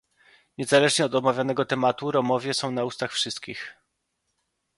Niezależnie od omawianego tematu Romowie są na ustach wszystkich